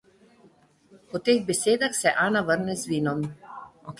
Po teh besedah se Ana vrne z vinom.